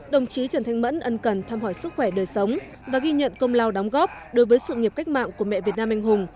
đồng chí trần thanh mẫn ân cần thăm hỏi sức khỏe đời sống và ghi nhận công lao đóng góp đối với sự nghiệp cách mạng của mẹ việt nam anh hùng